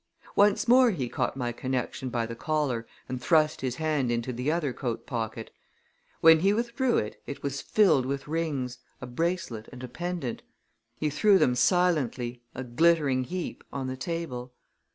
Once more he caught my connection by the collar and thrust his hand into the other coat pocket. When he withdrew it it was filled with rings, a bracelet and a pendant. He threw them silently a glittering heap on the table.